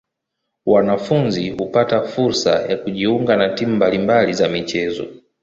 Wanafunzi hupata fursa ya kujiunga na timu mbali mbali za michezo.